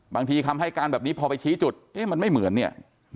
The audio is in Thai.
คำให้การแบบนี้พอไปชี้จุดเอ๊ะมันไม่เหมือนเนี่ย